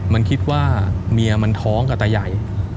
มันคิดว่าเมียมันท้องกับตาใหญ่